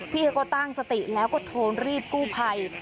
เขาก็ตั้งสติแล้วก็โทรรีบกู้ภัย